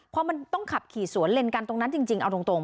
พอมันต้องขับขี่สวนเล่นกันตรงนั้นจริงเอาตรง